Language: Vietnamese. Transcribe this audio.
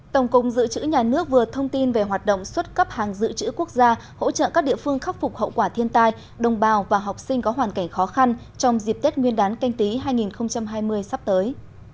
tổng cục dự trữ nhà nước vừa thông tin về hoạt động xuất cấp hàng dự trữ quốc gia hỗ trợ các địa phương khắc phục hậu quả thiên tai đồng bào và học sinh có hoàn cảnh khó khăn trong dịp tết nguyên đán canh tí hai nghìn hai mươi sắp tới